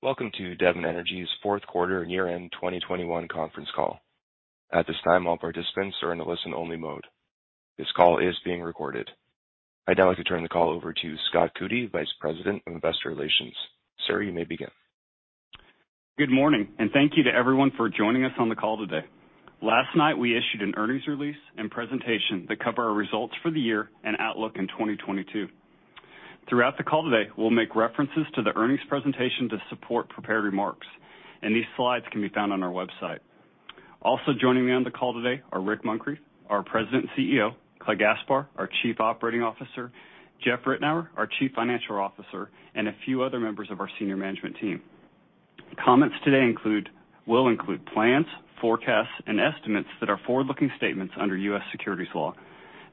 Welcome to Devon Energy's fourth quarter year-end 2021 conference call. At this time, all participants are in a listen-only mode. This call is being recorded. I'd now like to turn the call over to Scott Coody, Vice President of Investor Relations. Sir, you may begin. Good morning, and thank you to everyone for joining us on the call today. Last night, we issued an earnings release and presentation that cover our results for the year and outlook in 2022. Throughout the call today, we'll make references to the earnings presentation to support prepared remarks, and these slides can be found on our website. Also joining me on the call today are Rick Muncrief, our President and CEO, Clay Gaspar, our Chief Operating Officer, Jeff Ritenour, our Chief Financial Officer, and a few other members of our senior management team. Comments today will include plans, forecasts, and estimates that are forward-looking statements under U.S. securities law.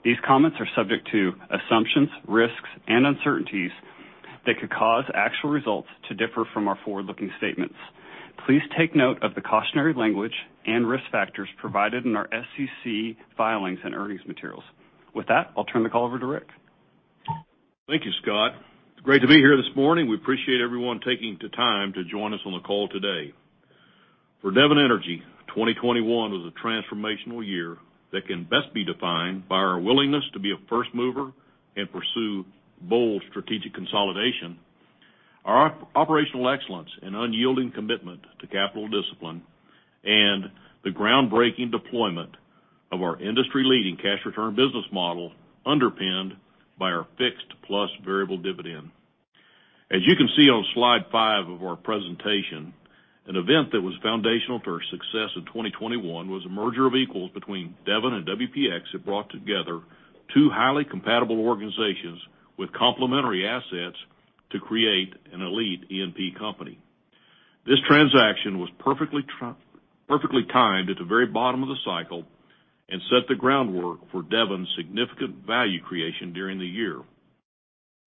These comments are subject to assumptions, risks, and uncertainties that could cause actual results to differ from our forward-looking statements. Please take note of the cautionary language and risk factors provided in our SEC filings and earnings materials. With that, I'll turn the call over to Rick. Thank you, Scott. It's great to be here this morning. We appreciate everyone taking the time to join us on the call today. For Devon Energy, 2021 was a transformational year that can best be defined by our willingness to be a first mover and pursue bold strategic consolidation, our operational excellence and unyielding commitment to capital discipline, and the groundbreaking deployment of our industry-leading cash return business model underpinned by our fixed plus variable dividend. As you can see on slide 5 of our presentation, an event that was foundational to our success in 2021 was a merger of equals between Devon and WPX that brought together two highly compatible organizations with complementary assets to create an elite E&P company. This transaction was perfectly timed at the very bottom of the cycle and set the groundwork for Devon's significant value creation during the year.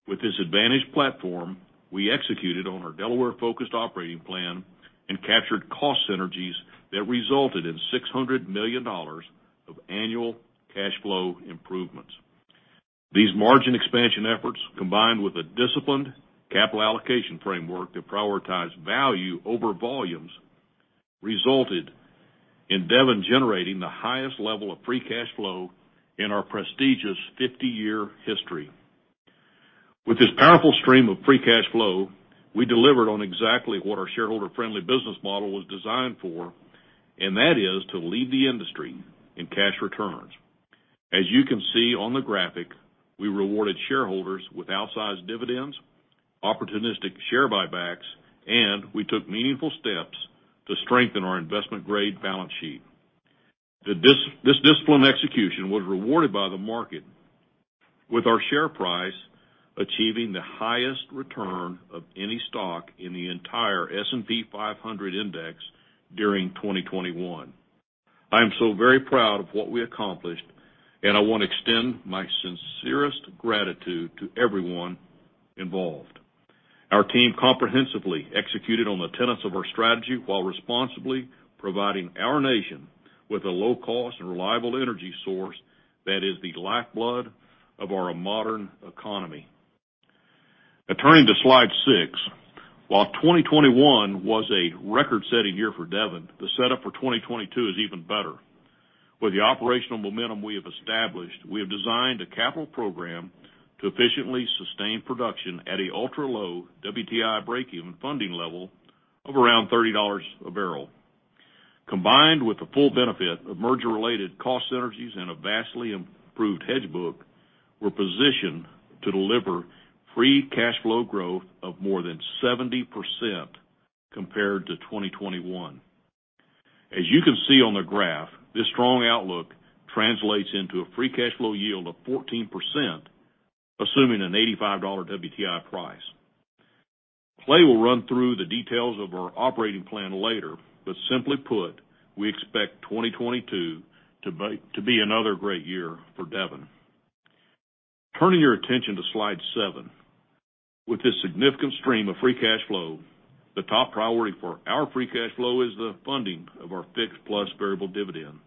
With this advantage platform, we executed on our Delaware-focused operating plan and captured cost synergies that resulted in $600 million of annual cash flow improvements. These margin expansion efforts, combined with a disciplined capital allocation framework that prioritized value over volumes, resulted in Devon generating the highest level of free cash flow in our prestigious 50-year history. With this powerful stream of free cash flow, we delivered on exactly what our shareholder-friendly business model was designed for, and that is to lead the industry in cash returns. As you can see on the graphic, we rewarded shareholders with outsized dividends, opportunistic share buybacks, and we took meaningful steps to strengthen our investment-grade balance sheet. This disciplined execution was rewarded by the market, with our share price achieving the highest return of any stock in the entire S&P 500 Index during 2021. I am so very proud of what we accomplished, and I wanna extend my sincerest gratitude to everyone involved. Our team comprehensively executed on the tenets of our strategy while responsibly providing our nation with a low-cost and reliable energy source that is the lifeblood of our modern economy. Now, turning to slide six. While 2021 was a record-setting year for Devon, the setup for 2022 is even better. With the operational momentum we have established, we have designed a capital program to efficiently sustain production at a ultra-low WTI breakeven funding level of around $30 a barrel. Combined with the full benefit of merger-related cost synergies and a vastly improved hedge book, we're positioned to deliver free cash flow growth of more than 70% compared to 2021. As you can see on the graph, this strong outlook translates into a free cash flow yield of 14%, assuming an $85 WTI price. Clay will run through the details of our operating plan later, but simply put, we expect 2022 to be another great year for Devon. Turning your attention to slide 7. With this significant stream of free cash flow, the top priority for our free cash flow is the funding of our fixed plus variable dividend.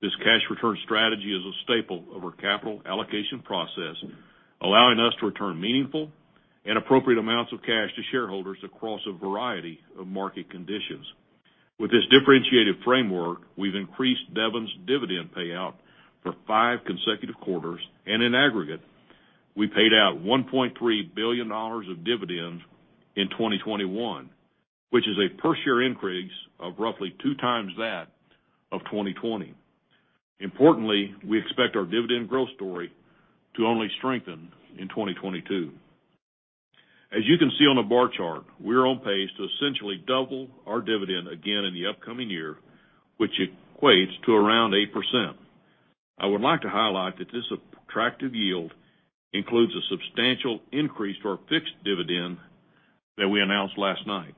This cash return strategy is a staple of our capital allocation process, allowing us to return meaningful and appropriate amounts of cash to shareholders across a variety of market conditions. With this differentiated framework, we've increased Devon's dividend payout for five consecutive quarters, and in aggregate, we paid out $1.3 billion of dividends in 2021, which is a per-share increase of roughly two times that of 2020. Importantly, we expect our dividend growth story to only strengthen in 2022. As you can see on the bar chart, we are on pace to essentially double our dividend again in the upcoming year, which equates to around 8%. I would like to highlight that this attractive yield includes a substantial increase to our fixed dividend that we announced last night.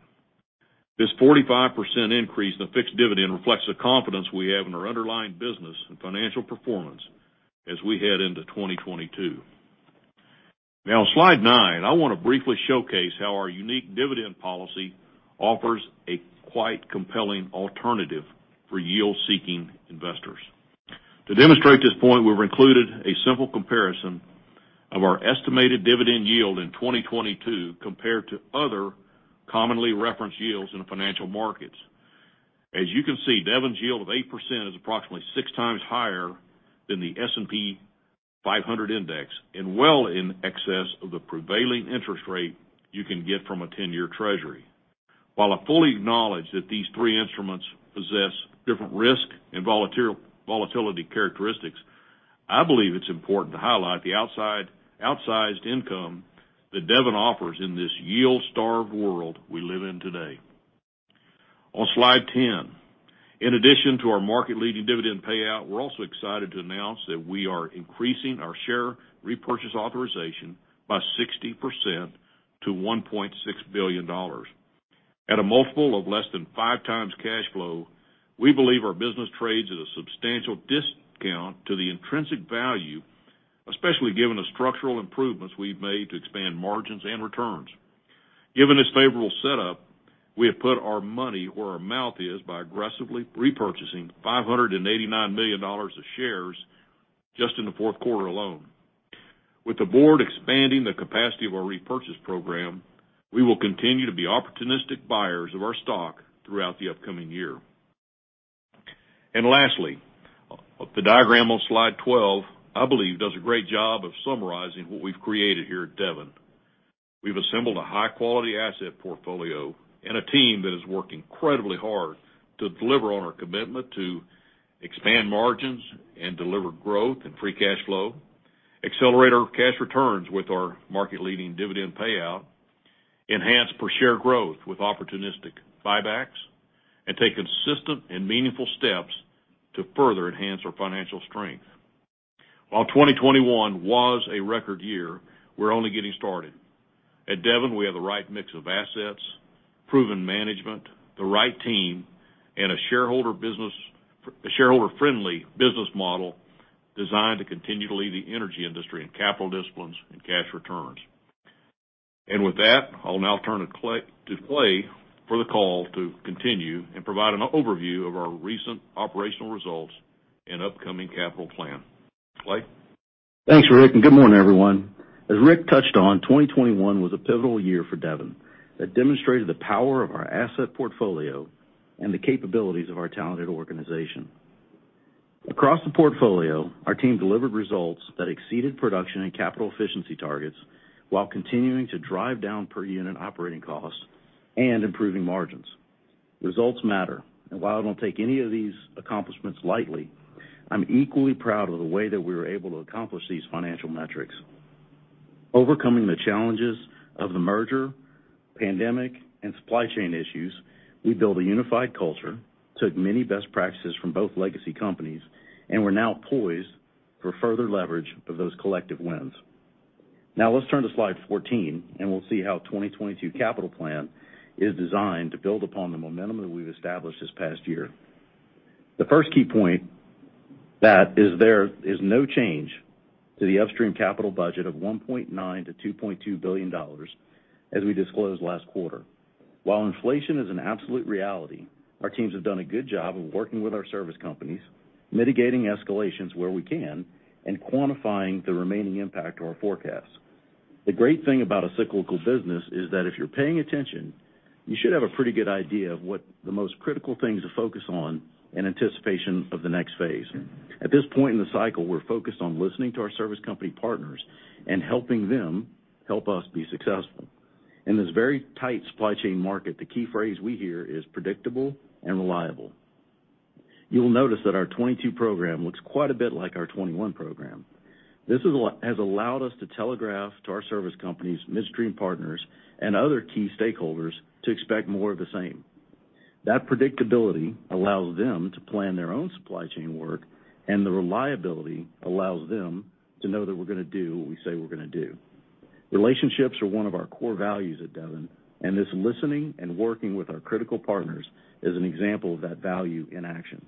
This 45% increase in the fixed dividend reflects the confidence we have in our underlying business and financial performance as we head into 2022. Now, on slide nine, I wanna briefly showcase how our unique dividend policy offers a quite compelling alternative for yield-seeking investors. To demonstrate this point, we've included a simple comparison of our estimated dividend yield in 2022 compared to other commonly referenced yields in the financial markets. As you can see, Devon's yield of 8% is approximately six times higher than the S&P 500 index and well in excess of the prevailing interest rate you can get from a 10-year treasury. While I fully acknowledge that these three instruments possess different risk and volatility characteristics, I believe it's important to highlight the outsized income that Devon offers in this yield-starved world we live in today. On slide 10, in addition to our market-leading dividend payout, we're also excited to announce that we are increasing our share repurchase authorization by 60% to $1.6 billion. At a multiple of less than 5x cash flow, we believe our business trades at a substantial discount to the intrinsic value, especially given the structural improvements we've made to expand margins and returns. Given this favorable setup, we have put our money where our mouth is by aggressively repurchasing $589 million of shares just in the fourth quarter alone. With the board expanding the capacity of our repurchase program, we will continue to be opportunistic buyers of our stock throughout the upcoming year. Lastly, the diagram on slide 12, I believe, does a great job of summarizing what we've created here at Devon. We've assembled a high-quality asset portfolio and a team that has worked incredibly hard to deliver on our commitment to expand margins and deliver growth and free cash flow, accelerate our cash returns with our market-leading dividend payout, enhance per-share growth with opportunistic buybacks, and take consistent and meaningful steps to further enhance our financial strength. While 2021 was a record year, we're only getting started. At Devon, we have the right mix of assets, proven management, the right team, and a shareholder-friendly business model designed to continue to lead the energy industry in capital disciplines and cash returns. With that, I'll now turn to Clay for the call to continue and provide an overview of our recent operational results and upcoming capital plan. Clay? Thanks, Rick, and good morning, everyone. As Rick touched on, 2021 was a pivotal year for Devon that demonstrated the power of our asset portfolio and the capabilities of our talented organization. Across the portfolio, our team delivered results that exceeded production and capital efficiency targets while continuing to drive down per-unit operating costs and improving margins. Results matter, and while I don't take any of these accomplishments lightly, I'm equally proud of the way that we were able to accomplish these financial metrics. Overcoming the challenges of the merger, pandemic, and supply chain issues, we built a unified culture, took many best practices from both legacy companies, and we're now poised for further leverage of those collective wins. Now, let's turn to slide 14, and we'll see how 2022 capital plan is designed to build upon the momentum that we've established this past year. The first key point that is there is no change to the upstream capital budget of $1.9 billion-$2.2 billion as we disclosed last quarter. While inflation is an absolute reality, our teams have done a good job of working with our service companies, mitigating escalations where we can, and quantifying the remaining impact on our forecasts. The great thing about a cyclical business is that if you're paying attention, you should have a pretty good idea of what the most critical things to focus on in anticipation of the next phase. At this point in the cycle, we're focused on listening to our service company partners and helping them help us be successful. In this very tight supply chain market, the key phrase we hear is predictable and reliable. You'll notice that our 2022 program looks quite a bit like our 2021 program. This is what has allowed us to telegraph to our service companies, midstream partners, and other key stakeholders to expect more of the same. That predictability allows them to plan their own supply chain work, and the reliability allows them to know that we're gonna do what we say we're gonna do. Relationships are one of our core values at Devon, and this listening and working with our critical partners is an example of that value in action.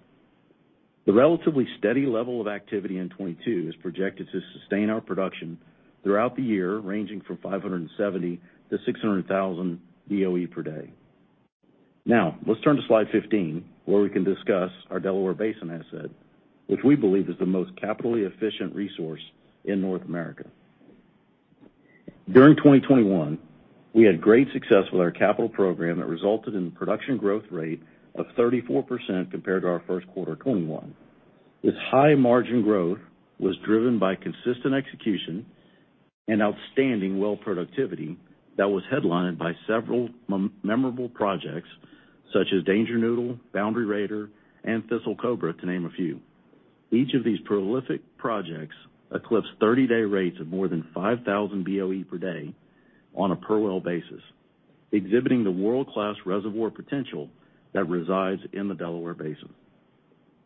The relatively steady level of activity in 2022 is projected to sustain our production throughout the year, ranging from 570,000-600,000 BOE per day. Now, let's turn to slide 15, where we can discuss our Delaware Basin asset, which we believe is the most capitally efficient resource in North America. During 2021, we had great success with our capital program that resulted in production growth rate of 34% compared to our first quarter of 2021. This high-margin growth was driven by consistent execution and outstanding well productivity that was headlined by several memorable projects such as Danger Noodle, Boundary Raider, and Thistle Cobra, to name a few. Each of these prolific projects eclipsed 30-day rates of more than 5,000 BOE per day on a per-well basis, exhibiting the world-class reservoir potential that resides in the Delaware Basin.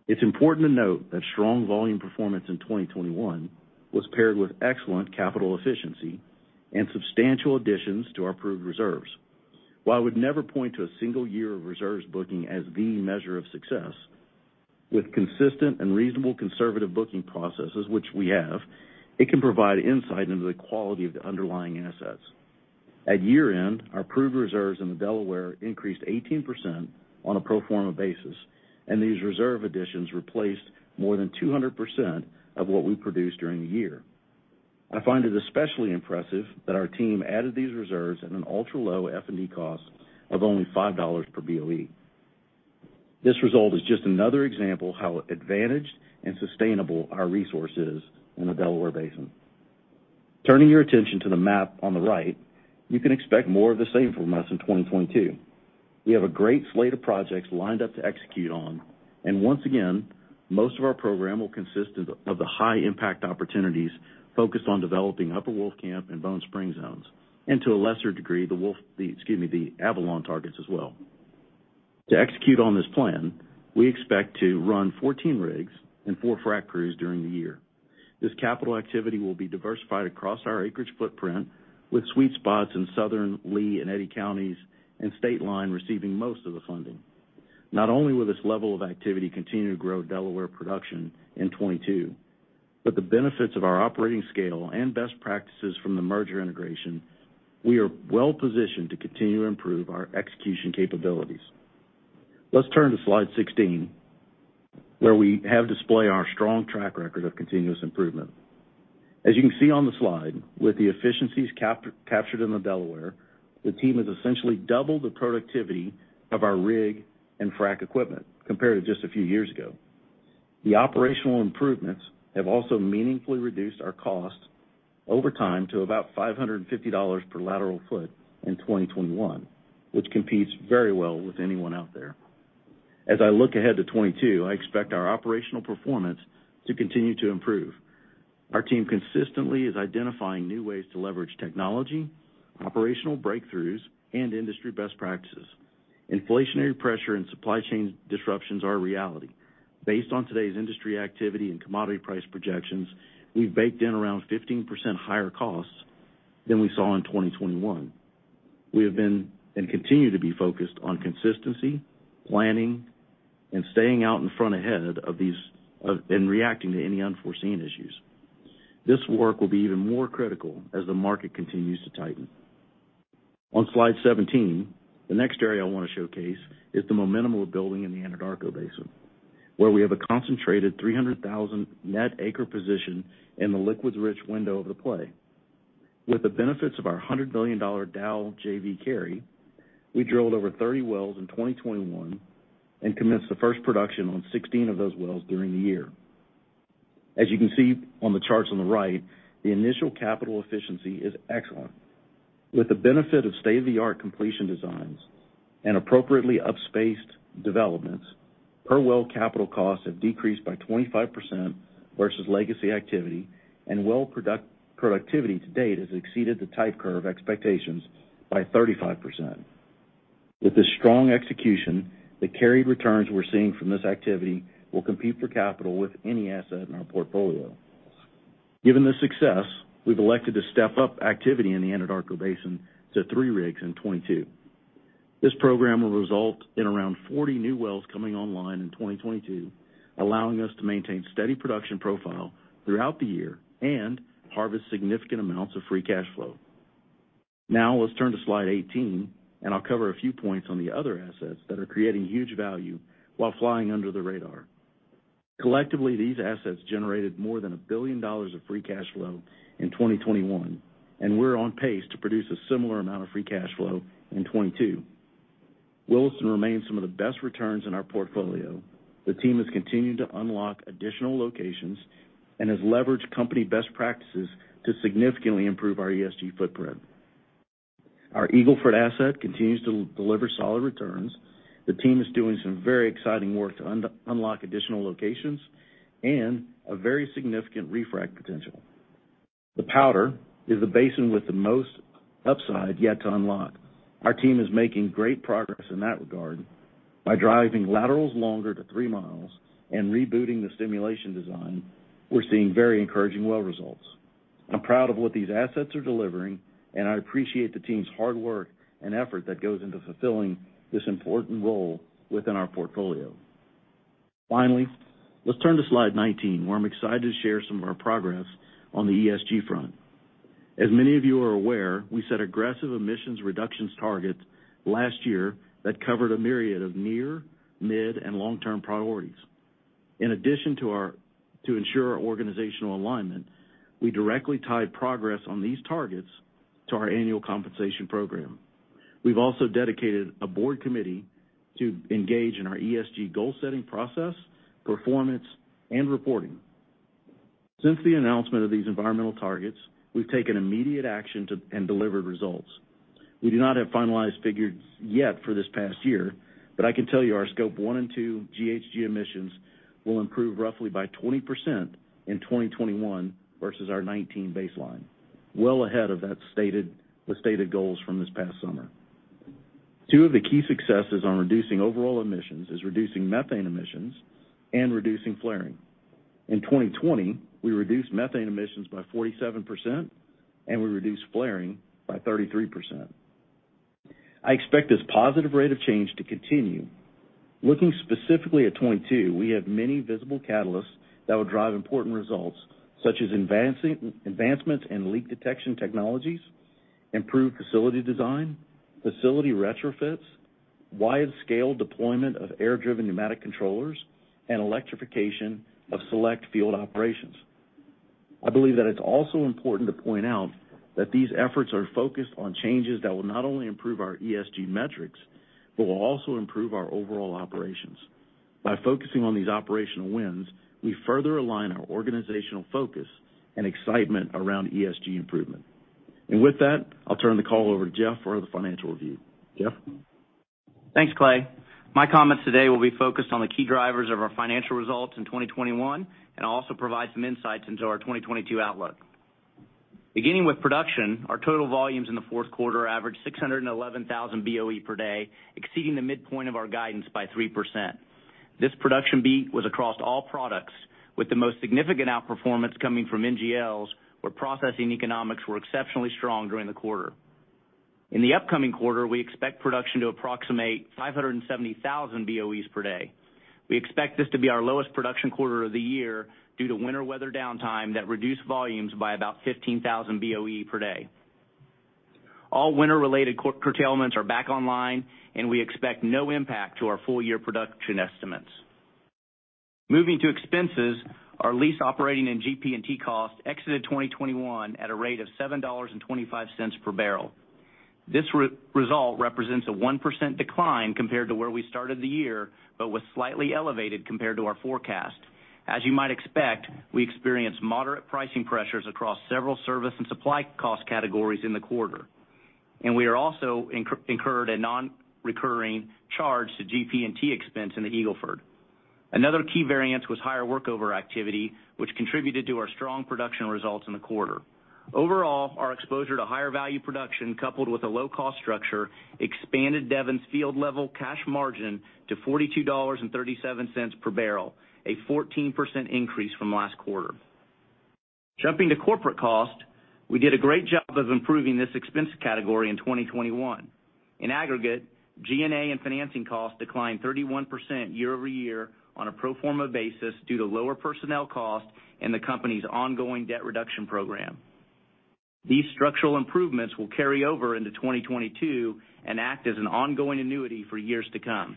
It's important to note that strong volume performance in 2021 was paired with excellent capital efficiency and substantial additions to our proved reserves. While I would never point to a single year of reserves booking as the measure of success, with consistent and reasonable conservative booking processes, which we have, it can provide insight into the quality of the underlying assets. At year-end, our proved reserves in the Delaware increased 18% on a pro forma basis, and these reserve additions replaced more than 200% of what we produced during the year. I find it especially impressive that our team added these reserves at an ultra-low F&D cost of only $5 per BOE. This result is just another example how advantaged and sustainable our resource is in the Delaware Basin. Turning your attention to the map on the right, you can expect more of the same from us in 2022. We have a great slate of projects lined up to execute on, and once again, most of our program will consist of the high impact opportunities focused on developing Upper Wolfcamp and Bone Spring zones, and to a lesser degree, the Avalon targets as well. To execute on this plan, we expect to run 14 rigs and 4 frac crews during the year. This capital activity will be diversified across our acreage footprint with sweet spots in southern Lea and Eddy counties, and Stateline receiving most of the funding. Not only will this level of activity continue to grow Delaware production in 2022, but the benefits of our operating scale and best practices from the merger integration, we are well-positioned to continue to improve our execution capabilities. Let's turn to slide 16, where we have displayed our strong track record of continuous improvement. As you can see on the slide, with the efficiencies captured in the Delaware, the team has essentially doubled the productivity of our rig and frac equipment compared to just a few years ago. The operational improvements have also meaningfully reduced our costs over time to about $550 per lateral foot in 2021, which competes very well with anyone out there. As I look ahead to 2022, I expect our operational performance to continue to improve. Our team consistently is identifying new ways to leverage technology, operational breakthroughs, and industry best practices. Inflationary pressure and supply chain disruptions are a reality. Based on today's industry activity and commodity price projections, we've baked in around 15% higher costs than we saw in 2021. We have been, and continue to be focused on consistency, planning, and staying out in front ahead of these, and reacting to any unforeseen issues. This work will be even more critical as the market continues to tighten. On slide 17, the next area I wanna showcase is the momentum we're building in the Anadarko Basin, where we have a concentrated 300,000 net acre position in the liquids rich window of the play. With the benefits of our $100 billion Dow JV carry, we drilled over 30 wells in 2021 and commenced the first production on 16 of those wells during the year. As you can see on the charts on the right, the initial capital efficiency is excellent. With the benefit of state-of-the-art completion designs and appropriately up-spaced developments, per well capital costs have decreased by 25% versus legacy activity, and well product-productivity to date has exceeded the type curve expectations by 35%. With this strong execution, the carried returns we're seeing from this activity will compete for capital with any asset in our portfolio. Given the success, we've elected to step up activity in the Anadarko Basin to 3 rigs in 2022. This program will result in around 40 new wells coming online in 2022, allowing us to maintain steady production profile throughout the year and harvest significant amounts of free cash flow. Now, let's turn to slide 18, and I'll cover a few points on the other assets that are creating huge value while flying under the radar. Collectively, these assets generated more than $1 billion of free cash flow in 2021, and we're on pace to produce a similar amount of free cash flow in 2022. Williston remains some of the best returns in our portfolio. The team has continued to unlock additional locations and has leveraged company best practices to significantly improve our ESG footprint. Our Eagle Ford asset continues to deliver solid returns. The team is doing some very exciting work to unlock additional locations and a very significant refrac potential. The Powder is the basin with the most upside yet to unlock. Our team is making great progress in that regard by driving laterals longer to 3 miles and rebooting the stimulation design. We're seeing very encouraging well results. I'm proud of what these assets are delivering, and I appreciate the team's hard work and effort that goes into fulfilling this important role within our portfolio. Finally, let's turn to slide 19, where I'm excited to share some of our progress on the ESG front. As many of you are aware, we set aggressive emissions reductions targets last year that covered a myriad of near, mid-, and long-term priorities. In addition, to ensure our organizational alignment, we directly tied progress on these targets to our annual compensation program. We've also dedicated a board committee to engage in our ESG goal-setting process, performance, and reporting. Since the announcement of these environmental targets, we've taken immediate action, and delivered results. We do not have finalized figures yet for this past year, but I can tell you our Scope 1 and 2 GHG emissions will improve roughly by 20% in 2021 versus our 2019 baseline, well ahead of the stated goals from this past summer. Two of the key successes on reducing overall emissions is reducing methane emissions and reducing flaring. In 2020, we reduced methane emissions by 47%, and we reduced flaring by 33%. I expect this positive rate of change to continue. Looking specifically at 2022, we have many visible catalysts that will drive important results, such as advancements in leak detection technologies, improved facility design, facility retrofits, wide-scale deployment of air-driven pneumatic controllers, and electrification of select field operations. I believe that it's also important to point out that these efforts are focused on changes that will not only improve our ESG metrics, but will also improve our overall operations. By focusing on these operational wins, we further align our organizational focus and excitement around ESG improvement. With that, I'll turn the call over to Jeff for the financial review. Jeff? Thanks, Clay. My comments today will be focused on the key drivers of our financial results in 2021, and I'll also provide some insights into our 2022 outlook. Beginning with production, our total volumes in the fourth quarter averaged 611,000 BOE per day, exceeding the midpoint of our guidance by 3%. This production beat was across all products, with the most significant outperformance coming from NGLs, where processing economics were exceptionally strong during the quarter. In the upcoming quarter, we expect production to approximate 570,000 BOEs per day. We expect this to be our lowest production quarter of the year due to winter weather downtime that reduced volumes by about 15,000 BOE per day. All winter-related curtailments are back online, and we expect no impact to our full year production estimates. Moving to expenses, our lease operating and GP&T costs exited 2021 at a rate of $7.25 per barrel. This result represents a 1% decline compared to where we started the year, but was slightly elevated compared to our forecast. As you might expect, we experienced moderate pricing pressures across several service and supply cost categories in the quarter, and we also incurred a non-recurring charge to GP&T expense in the Eagle Ford. Another key variance was higher workover activity, which contributed to our strong production results in the quarter. Overall, our exposure to higher value production, coupled with a low-cost structure, expanded Devon's field-level cash margin to $42.37 per barrel, a 14% increase from last quarter. Jumping to corporate cost, we did a great job of improving this expense category in 2021. In aggregate, G&A and financing costs declined 31% year-over-year on a pro forma basis due to lower personnel costs and the company's ongoing debt reduction program. These structural improvements will carry over into 2022 and act as an ongoing annuity for years to come.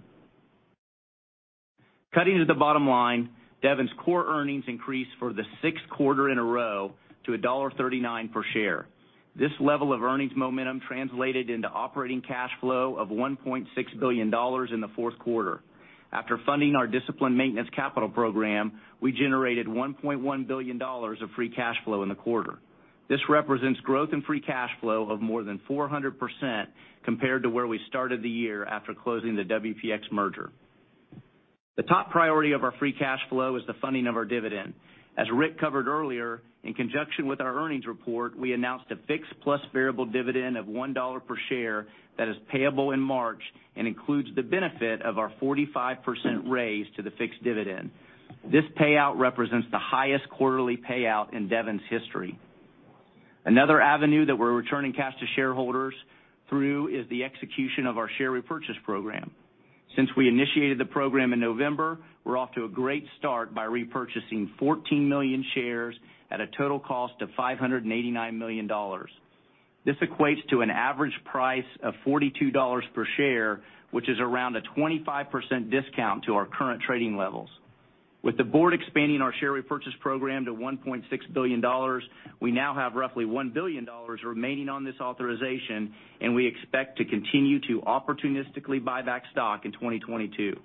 Cutting to the bottom line, Devon's core earnings increased for the sixth quarter in a row to $1.39 per share. This level of earnings momentum translated into operating cash flow of $1.6 billion in the fourth quarter. After funding our disciplined maintenance capital program, we generated $1.1 billion of free cash flow in the quarter. This represents growth in free cash flow of more than 400% compared to where we started the year after closing the WPX merger. The top priority of our free cash flow is the funding of our dividend. As Rick covered earlier, in conjunction with our earnings report, we announced a fixed plus variable dividend of $1 per share that is payable in March and includes the benefit of our 45% raise to the fixed dividend. This payout represents the highest quarterly payout in Devon's history. Another avenue that we're returning cash to shareholders through is the execution of our share repurchase program. Since we initiated the program in November, we're off to a great start by repurchasing 14 million shares at a total cost of $589 million. This equates to an average price of $42 per share, which is around a 25% discount to our current trading levels. With the board expanding our share repurchase program to $1.6 billion, we now have roughly $1 billion remaining on this authorization, and we expect to continue to opportunistically buy back stock in 2022.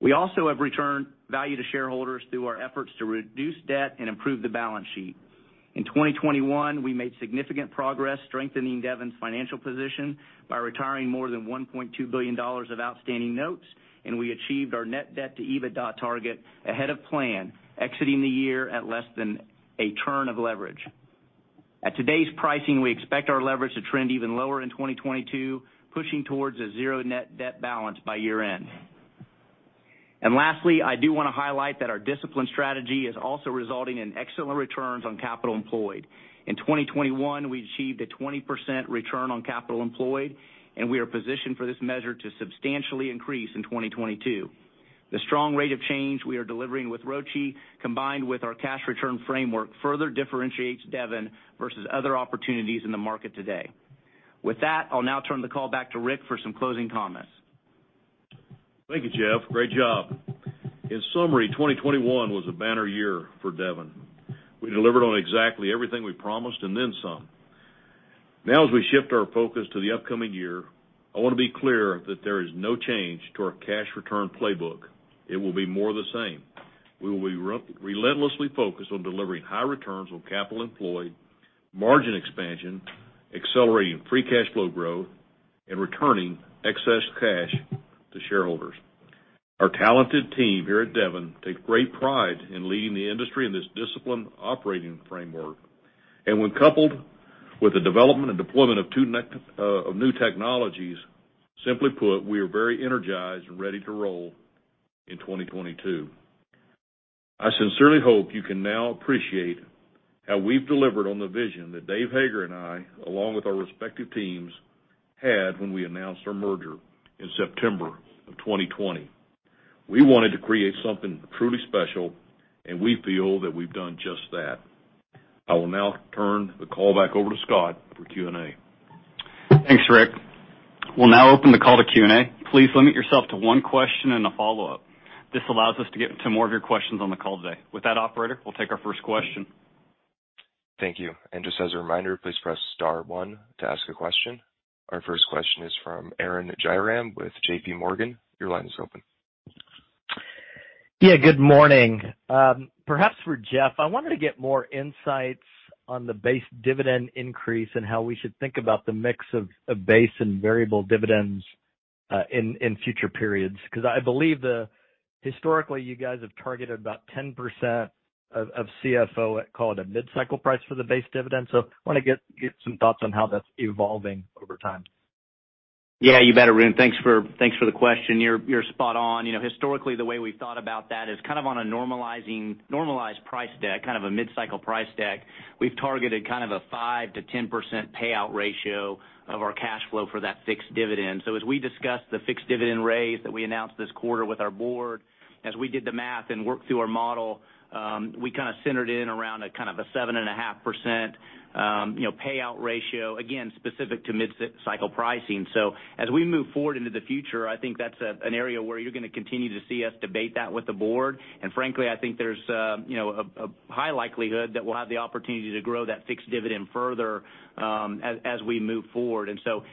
We also have returned value to shareholders through our efforts to reduce debt and improve the balance sheet. In 2021, we made significant progress strengthening Devon's financial position by retiring more than $1.2 billion of outstanding notes, and we achieved our net debt to EBITDA target ahead of plan, exiting the year at less than a turn of leverage. At today's pricing, we expect our leverage to trend even lower in 2022, pushing towards a 0 net debt balance by year-end. Lastly, I do wanna highlight that our disciplined strategy is also resulting in excellent returns on capital employed. In 2021, we achieved a 20% return on capital employed, and we are positioned for this measure to substantially increase in 2022. The strong rate of change we are delivering with ROCE, combined with our cash return framework, further differentiates Devon versus other opportunities in the market today. With that, I'll now turn the call back to Rick for some closing comments. Thank you, Jeff. Great job. In summary, 2021 was a banner year for Devon. We delivered on exactly everything we promised and then some. Now, as we shift our focus to the upcoming year, I wanna be clear that there is no change to our cash return playbook. It will be more of the same. We will be relentlessly focused on delivering high returns on capital employed, margin expansion, accelerating free cash flow growth, and returning excess cash to shareholders. Our talented team here at Devon take great pride in leading the industry in this disciplined operating framework. When coupled with the development and deployment of two new technologies, simply put, we are very energized and ready to roll in 2022. I sincerely hope you can now appreciate how we've delivered on the vision that Dave Hager and I, along with our respective teams, had when we announced our merger in September of 2020. We wanted to create something truly special, and we feel that we've done just that. I will now turn the call back over to Scott for Q&A. Thanks, Rick. We'll now open the call to Q&A. Please limit yourself to one question and a follow-up. This allows us to get to more of your questions on the call today. With that, operator, we'll take our first question. Thank you. Just as a reminder, please press star one to ask a question. Our first question is from Arun Jayaram with J.P. Morgan. Your line is open. Yeah, good morning. Perhaps for Jeff, I wanted to get more insights on the base dividend increase and how we should think about the mix of base and variable dividends in future periods. 'Cause I believe historically, you guys have targeted about 10% of CFO, call it a mid-cycle price for the base dividend. I wanna get some thoughts on how that's evolving over time. Yeah, you bet, Arun. Thanks for the question. You're spot on. You know, historically, the way we've thought about that is kind of on a normalized price deck, kind of a mid-cycle price deck. We've targeted kind of a 5%-10% payout ratio of our cash flow for that fixed dividend. As we discussed the fixed dividend raise that we announced this quarter with our board, as we did the math and worked through our model, we kinda centered in around a kind of a 7.5%, you know, payout ratio, again, specific to mid-cycle pricing. As we move forward into the future, I think that's an area where you're gonna continue to see us debate that with the board. Frankly, I think there's you know a high likelihood that we'll have the opportunity to grow that fixed dividend further as we move forward.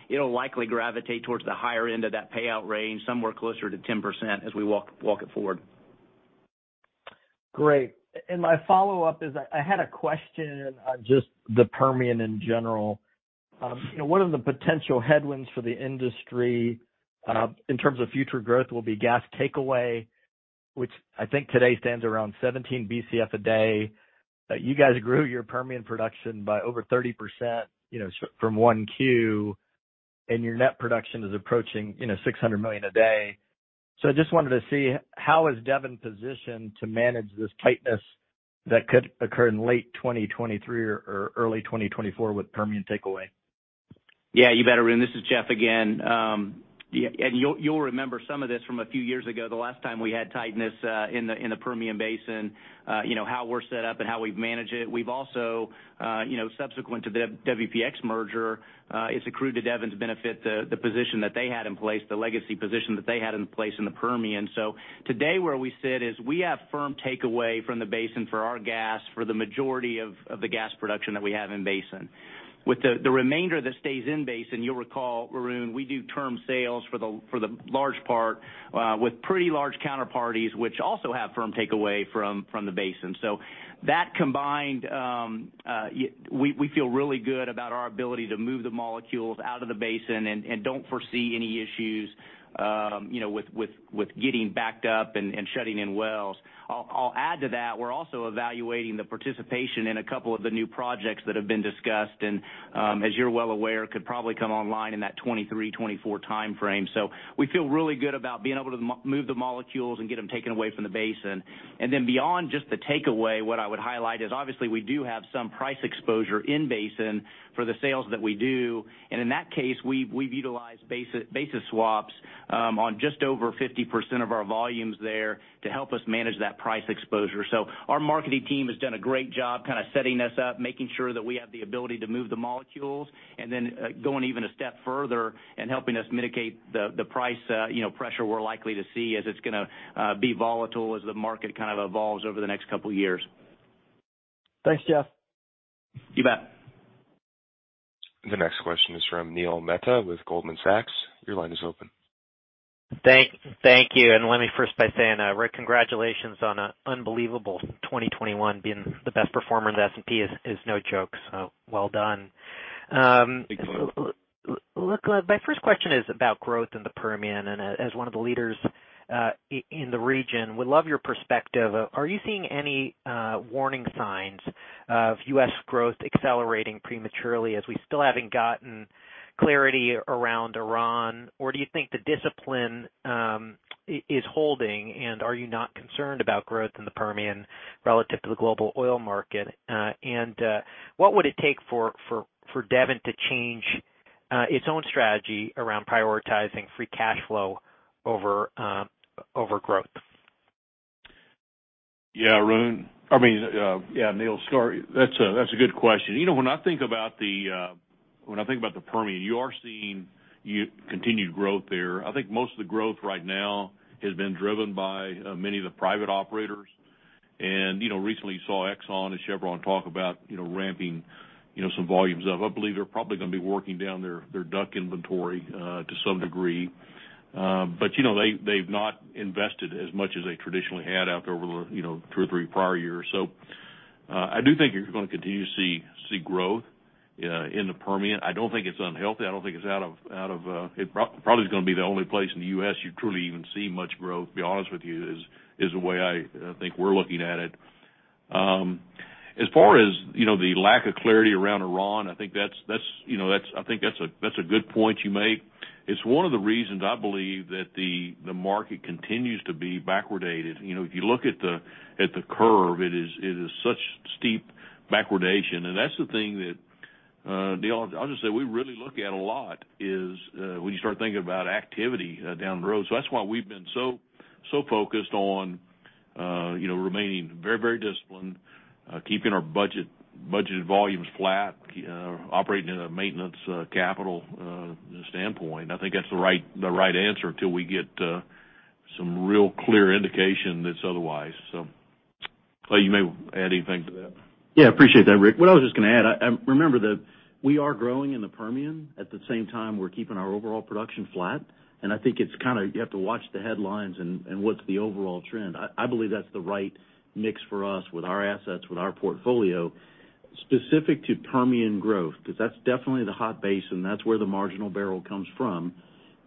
It'll likely gravitate towards the higher end of that payout range, somewhere closer to 10% as we walk it forward. Great. My follow-up is, I had a question on just the Permian in general. You know, one of the potential headwinds for the industry, in terms of future growth will be gas takeaway, which I think today stands around 17 Bcf a day. You guys grew your Permian production by over 30%, you know, from 1Q, and your net production is approaching, you know, 600 million a day. I just wanted to see, how is Devon positioned to manage this tightness that could occur in late 2023 or early 2024 with Permian takeaway? Yeah, you bet, Arun. This is Jeff again. Yeah, and you'll remember some of this from a few years ago, the last time we had tightness in the Permian Basin, you know, how we're set up and how we've managed it. We've also, you know, subsequent to the WPX merger, it's accrued to Devon's benefit, the position that they had in place, the legacy position that they had in place in the Permian. Today, where we sit is we have firm takeaway from the basin for our gas, for the majority of the gas production that we have in basin. With the remainder that stays in basin, you'll recall, Arun, we do term sales for the large part with pretty large counterparties, which also have firm takeaway from the basin. That combined, we feel really good about our ability to move the molecules out of the basin and don't foresee any issues, you know, with getting backed up and shutting in wells. I'll add to that, we're also evaluating the participation in a couple of the new projects that have been discussed, and as you're well aware, could probably come online in that 2023, 2024 timeframe. We feel really good about being able to move the molecules and get them taken away from the basin. Then beyond just the takeaway, what I would highlight is obviously we do have some price exposure in basin for the sales that we do. In that case, we've utilized basis swaps on just over 50% of our volumes there to help us manage that price exposure. Our marketing team has done a great job kind of setting us up, making sure that we have the ability to move the molecules, and then going even a step further and helping us mitigate the price, you know, pressure we're likely to see as it's gonna be volatile as the market kind of evolves over the next couple years. Thanks, Jeff. You bet. The next question is from Neil Mehta with Goldman Sachs. Your line is open. Thank you. Let me start by saying, Rick, congratulations on an unbelievable 2021. Being the best performer in the S&P is no joke, so well done. Look, my first question is about growth in the Permian. As one of the leaders in the region, I would love your perspective. Are you seeing any warning signs of U.S. growth accelerating prematurely as we still haven't gotten clarity around Iran? Or do you think the discipline is holding, and are you not concerned about growth in the Permian relative to the global oil market? What would it take for Devon to change its own strategy around prioritizing free cash flow over growth? Yeah, Arun. I mean, yeah, Neil, sorry. That's a good question. You know, when I think about the Permian, you are seeing continued growth there. I think most of the growth right now has been driven by many of the private operators. You know, recently saw ExxonMobil and Chevron talk about, you know, ramping, you know, some volumes up. I believe they're probably gonna be working down their DUC inventory to some degree. They've not invested as much as they traditionally had out over the 2 or 3 prior years. I do think you're gonna continue to see growth in the Permian. I don't think it's unhealthy. I don't think it's out of. It probably is gonna be the only place in the U.S. you truly even see much growth, to be honest with you, is the way I think we're looking at it. As far as, you know, the lack of clarity around Iran, I think that's a good point you make. It's one of the reasons I believe that the market continues to be backwardated. You know, if you look at the curve, it is such steep backwardation. That's the thing that, Neil, I'll just say we really look at a lot is when you start thinking about activity down the road. That's why we've been so focused on, you know, remaining very disciplined, keeping our budgeted volumes flat, operating in a maintenance capital standpoint. I think that's the right answer till we get some real clear indication that's otherwise. Clay, you may add anything to that. Yeah, appreciate that, Rick. What I was just gonna add, remember that we are growing in the Permian. At the same time, we're keeping our overall production flat. I think it's kind of you have to watch the headlines and what's the overall trend. I believe that's the right mix for us with our assets, with our portfolio. Specific to Permian growth, 'cause that's definitely the hot basin, that's where the marginal barrel comes from.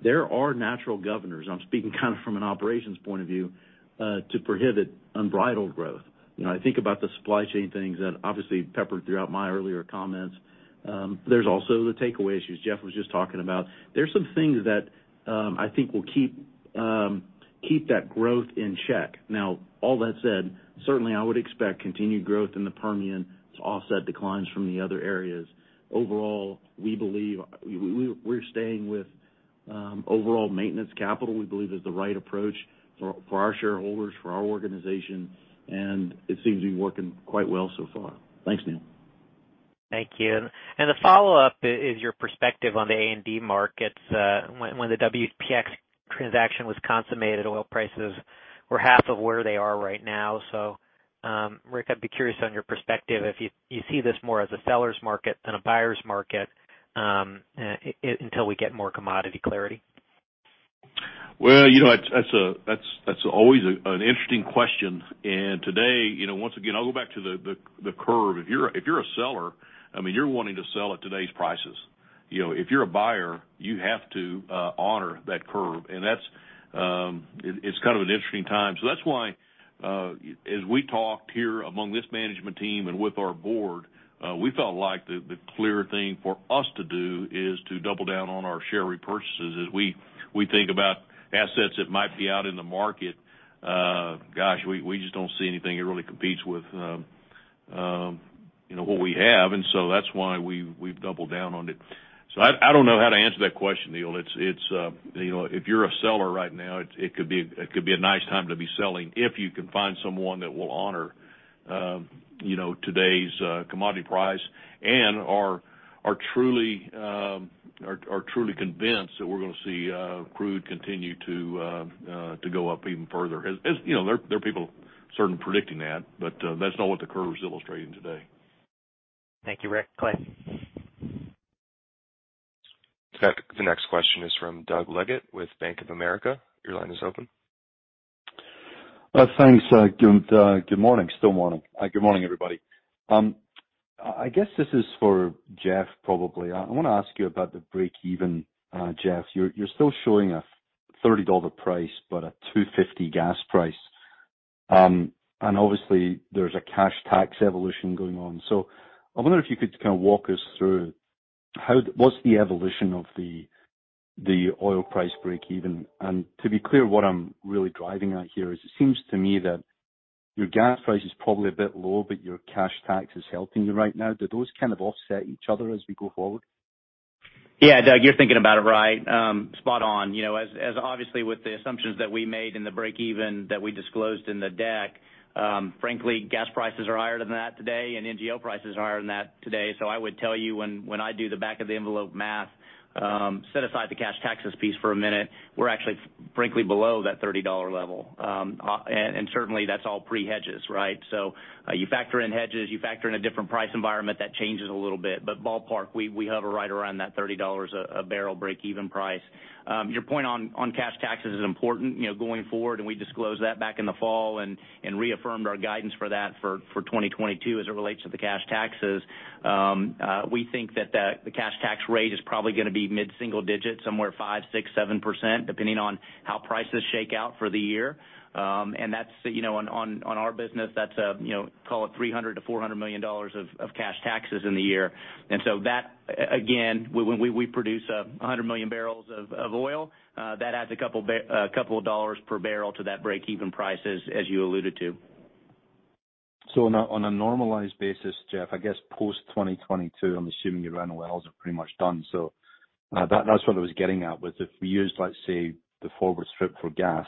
There are natural governors, and I'm speaking kind of from an operations point of view, to prohibit unbridled growth. You know, I think about the supply chain things that obviously peppered throughout my earlier comments. There's also the takeaway issues Jeff was just talking about. There's some things that, I think will keep that growth in check. Now all that said, certainly I would expect continued growth in the Permian to offset declines from the other areas. Overall, we're staying with overall maintenance capital we believe is the right approach for our shareholders, for our organization, and it seems to be working quite well so far. Thanks, Neil. Thank you. The follow-up is your perspective on the A&D markets. When the WPX transaction was consummated, oil prices were half of where they are right now. Rick, I'd be curious on your perspective if you see this more as a seller's market than a buyer's market until we get more commodity clarity. Well, you know, that's always an interesting question. Today, you know, once again, I'll go back to the curve. If you're a seller, I mean, you're wanting to sell at today's prices. You know, if you're a buyer, you have to honor that curve. That's kind of an interesting time. That's why, as we talked here among this management team and with our board, we felt like the clear thing for us to do is to double down on our share repurchases. As we think about assets that might be out in the market, gosh, we just don't see anything that really competes with, you know, what we have. That's why we've doubled down on it. I don't know how to answer that question, Neil. You know, if you're a seller right now, it could be a nice time to be selling if you can find someone that will honor today's commodity price and are truly convinced that we're gonna see crude continue to go up even further. You know, there are people certainly predicting that, but that's not what the curve's illustrating today. Thank you, Rick. Clay. The next question is from Doug Leggate with Bank of America. Your line is open. Thanks, good morning. Still morning. Good morning, everybody. I guess this is for Jeff probably. I wanna ask you about the breakeven, Jeff. You're still showing a $30 price, but a $2.50 gas price. Obviously there's a cash tax evolution going on. I wonder if you could kind of walk us through what's the evolution of the oil price breakeven? To be clear, what I'm really driving at here is it seems to me that your gas price is probably a bit low, but your cash tax is helping you right now. Do those kind of offset each other as we go forward? Yeah, Doug, you're thinking about it right. Spot on. You know, as obviously with the assumptions that we made and the breakeven that we disclosed in the deck, frankly, gas prices are higher than that today, and NGL prices are higher than that today. I would tell you when I do the back of the envelope math, set aside the cash taxes piece for a minute, we're actually frankly below that $30 level. Certainly, that's all pre-hedges, right? You factor in hedges, you factor in a different price environment, that changes a little bit. Ballpark, we hover right around that $30 a barrel breakeven price. Your point on cash taxes is important, you know, going forward, and we disclosed that back in the fall and reaffirmed our guidance for that for 2022 as it relates to the cash taxes. We think that the cash tax rate is probably gonna be mid-single digit, somewhere 5%, 6%, 7%, depending on how prices shake out for the year. And that's, you know, on our business, that's, you know, call it $300 million-$400 million of cash taxes in the year. That again, when we produce 100 million barrels of oil, that adds a couple of dollars per barrel to that breakeven prices as you alluded to. On a normalized basis, Jeff, I guess post 2022, I'm assuming your NOLs are pretty much done. That's what I was getting at, was if we used, let's say, the forward strip for gas,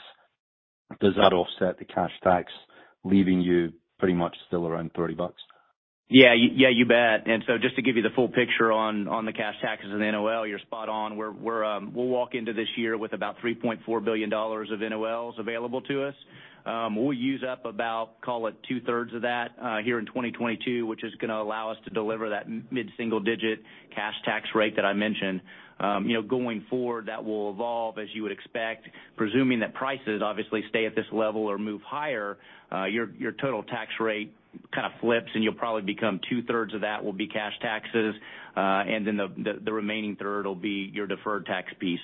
does that offset the cash tax, leaving you pretty much still around $30? Yeah. Yeah, you bet. Just to give you the full picture on the cash taxes and NOL, you're spot on. We're we'll walk into this year with about $3.4 billion of NOLs available to us. We'll use up about, call it 2/3 of that, here in 2022, which is gonna allow us to deliver that mid-single digit cash tax rate that I mentioned. You know, going forward, that will evolve as you would expect. Presuming that prices obviously stay at this level or move higher, your total tax rate kind of flips, and you'll probably become two-thirds of that will be cash taxes, and then the remaining third will be your deferred tax piece.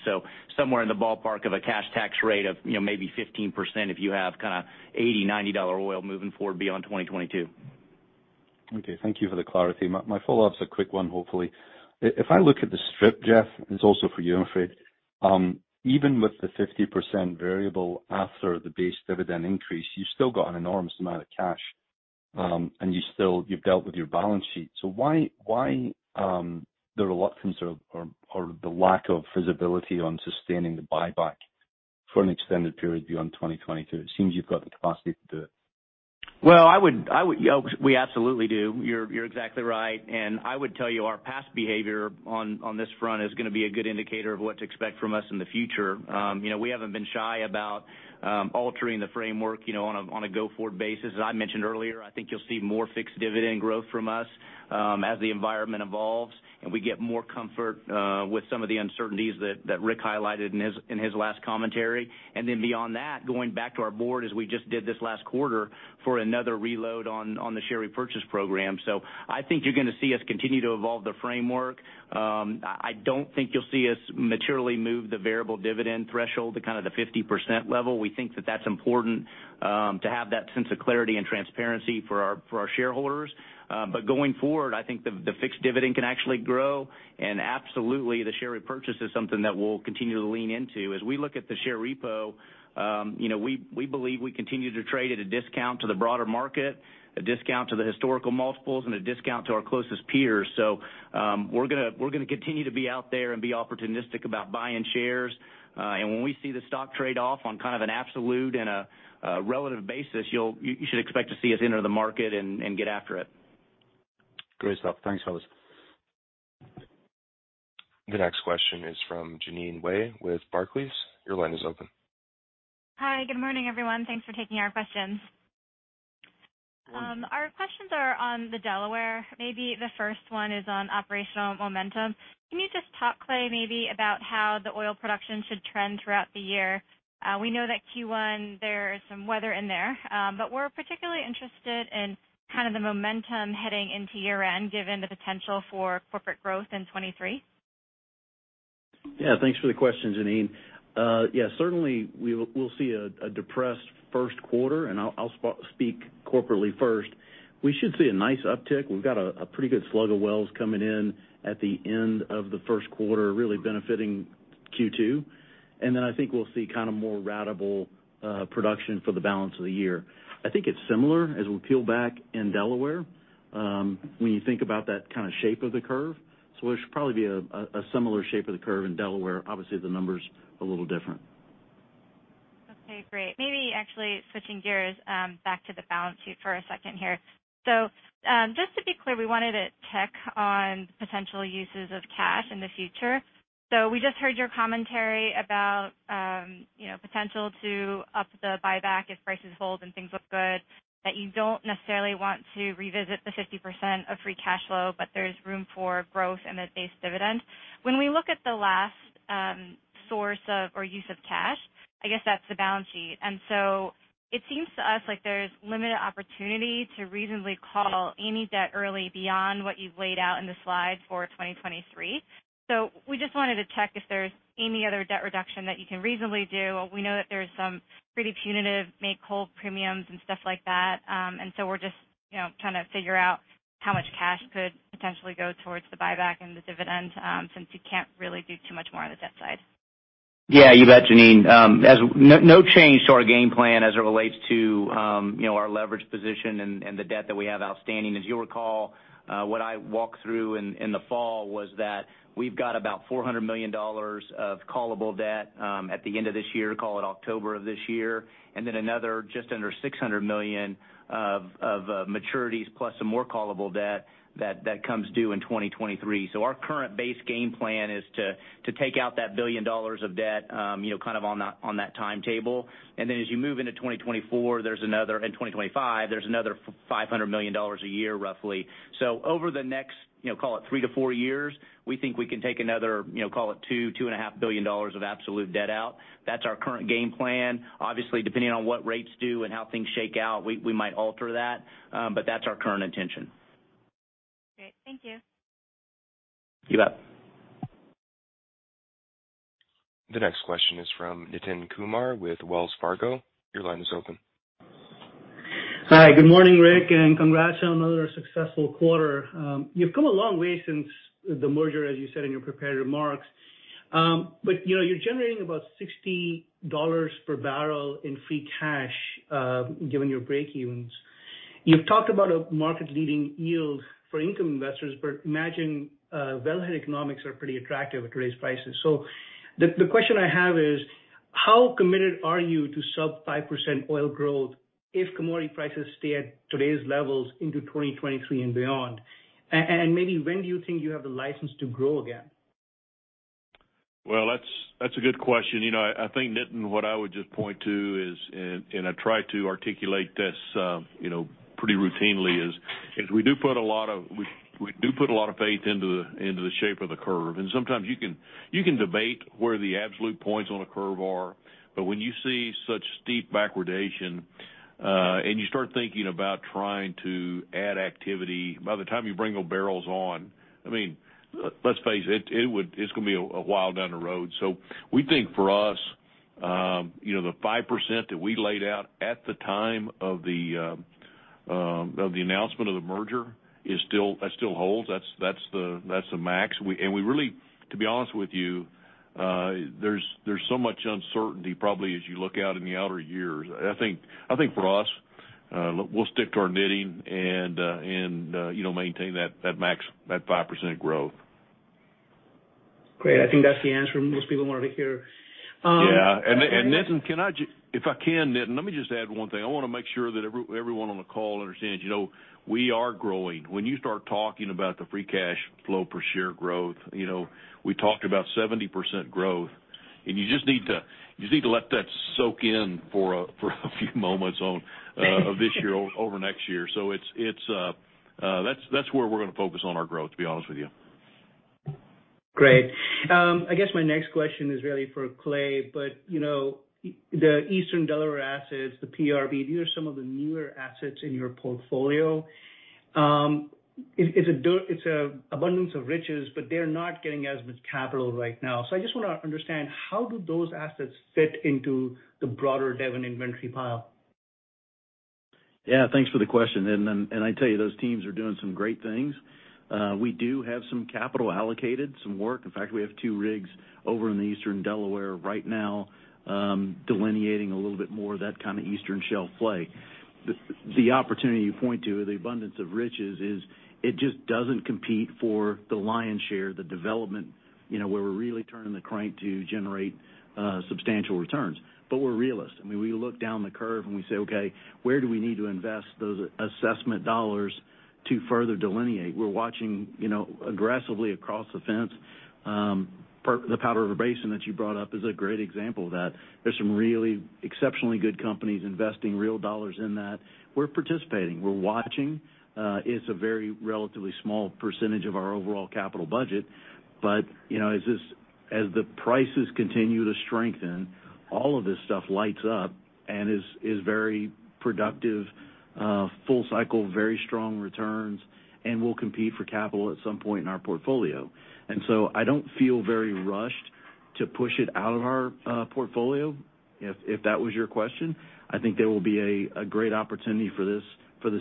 Somewhere in the ballpark of a cash tax rate of, you know, maybe 15% if you have kinda $80-$90 oil moving forward beyond 2022. Okay, thank you for the clarity. My follow-up's a quick one, hopefully. If I look at the strip, Jeff, it's also for you, I'm afraid. Even with the 50% variable after the base dividend increase, you've still got an enormous amount of cash, and you've dealt with your balance sheet. Why the reluctance or the lack of visibility on sustaining the buyback for an extended period beyond 2022? It seems you've got the capacity to do it. Yeah, we absolutely do. You're exactly right. I would tell you our past behavior on this front is gonna be a good indicator of what to expect from us in the future. You know, we haven't been shy about altering the framework, you know, on a go-forward basis. As I mentioned earlier, I think you'll see more fixed dividend growth from us, as the environment evolves and we get more comfort with some of the uncertainties that Rick highlighted in his last commentary. Beyond that, going back to our board, as we just did this last quarter, for another reload on the share repurchase program. I think you're gonna see us continue to evolve the framework. I don't think you'll see us materially move the variable dividend threshold to kind of the 50% level. We think that that's important to have that sense of clarity and transparency for our shareholders. Going forward, I think the fixed dividend can actually grow. Absolutely, the share repurchase is something that we'll continue to lean into. As we look at the share repo, you know, we believe we continue to trade at a discount to the broader market, a discount to the historical multiples and a discount to our closest peers. We're gonna continue to be out there and be opportunistic about buying shares. When we see the stock trade off on kind of an absolute and a relative basis, you should expect to see us enter the market and get after it. Great stuff. Thanks, fellas. The next question is from Jeanine Wai with Barclays. Your line is open. Hi, good morning, everyone. Thanks for taking our questions. Good morning. Our questions are on the Delaware. Maybe the first one is on operational momentum. Can you just talk, Clay, maybe about how the oil production should trend throughout the year? We know that Q1, there is some weather in there, but we're particularly interested in kind of the momentum heading into year-end, given the potential for corporate growth in 2023. Yeah. Thanks for the question, Jeanine. Yeah, certainly we'll see a depressed first quarter, and I'll speak corporately first. We should see a nice uptick. We've got a pretty good slug of wells coming in at the end of the first quarter, really benefiting Q2. I think we'll see kind of more ratable production for the balance of the year. I think it's similar as we peel back in Delaware, when you think about that kind of shape of the curve. It should probably be a similar shape of the curve in Delaware. Obviously, the numbers are a little different. Okay, great. Maybe actually switching gears back to the balance sheet for a second here. Just to be clear, we wanted to check on potential uses of cash in the future. We just heard your commentary about, you know, potential to up the buyback if prices hold and things look good, that you don't necessarily want to revisit the 50% of free cash flow, but there's room for growth in the base dividend. When we look at the last source of, or use of cash, I guess that's the balance sheet. It seems to us like there's limited opportunity to reasonably call any debt early beyond what you've laid out in the slide for 2023. We just wanted to check if there's any other debt reduction that you can reasonably do. We know that there's some pretty punitive make-whole premiums and stuff like that. We're just, you know, trying to figure out how much cash could potentially go towards the buyback and the dividend, since you can't really do too much more on the debt side. Yeah, you bet, Jeanine. No change to our game plan as it relates to, you know, our leverage position and the debt that we have outstanding. As you'll recall, what I walked through in the fall was that we've got about $400 million of callable debt at the end of this year, call it October of this year. Then another just under $600 million of maturities plus some more callable debt that comes due in 2023. Our current base game plan is to take out that $1 billion of debt, you know, kind of on that timetable. Then as you move into 2024, there's another and 2025, there's another $500 million a year, roughly. Over the next, you know, call it 3-4 years, we think we can take another, you know, call it $2 billion-$2.5 billion of absolute debt out. That's our current game plan. Obviously, depending on what rates do and how things shake out, we might alter that. That's our current intention. Great. Thank you. You bet. The next question is from Nitin Kumar with Wells Fargo. Your line is open. Hi, good morning, Rick, and congrats on another successful quarter. You've come a long way since the merger, as you said in your prepared remarks. But, you know, you're generating about $60 per barrel in free cash, given your breakevens. You've talked about a market-leading yield for income investors, but imagine, wellhead economics are pretty attractive at today's prices. The question I have is. How committed are you to sub-5% oil growth if commodity prices stay at today's levels into 2023 and beyond? Maybe when do you think you have the license to grow again? Well, that's a good question. You know, I think, Nitin, what I would just point to is, and I try to articulate this pretty routinely, is we do put a lot of faith into the shape of the curve. Sometimes you can debate where the absolute points on a curve are, but when you see such steep backwardation, and you start thinking about trying to add activity, by the time you bring those barrels on, I mean, let's face it's gonna be a while down the road. We think for us You know, the 5% that we laid out at the time of the announcement of the merger is still. That still holds. That's the max. We really, to be honest with you, there's so much uncertainty probably as you look out in the outer years. I think for us, we'll stick to our knitting and, you know, maintain that max, that 5% growth. Great. I think that's the answer most people wanted to hear. Yeah. Nitin, let me just add one thing. I wanna make sure that everyone on the call understands, you know, we are growing. When you start talking about the free cash flow per share growth, you know, we talked about 70% growth, and you just need to let that soak in for a few moments from this year over next year. That's where we're gonna focus on our growth, to be honest with you. Great. I guess my next question is really for Clay. You know, the Eastern Delaware assets, the PRB, these are some of the newer assets in your portfolio. It's an abundance of riches, but they're not getting as much capital right now. I just wanna understand how do those assets fit into the broader Devon inventory pile? Yeah. Thanks for the question. I tell you, those teams are doing some great things. We do have some capital allocated, some work. In fact, we have 2 rigs over in the Eastern Delaware right now, delineating a little bit more of that kind of Eastern shelf play. The opportunity you point to, the abundance of riches is it just doesn't compete for the lion's share, the development, you know, where we're really turning the crank to generate substantial returns. We're realists. I mean, we look down the curve, and we say, "Okay, where do we need to invest those assessment dollars to further delineate?" We're watching, you know, aggressively across the fence. The Powder River Basin that you brought up is a great example of that. There's some really exceptionally good companies investing real dollars in that. We're participating. We're watching. It's a very relatively small percentage of our overall capital budget. You know, as the prices continue to strengthen, all of this stuff lights up and is very productive, full cycle, very strong returns, and will compete for capital at some point in our portfolio. I don't feel very rushed to push it out of our portfolio, if that was your question. I think there will be a great opportunity for this, for the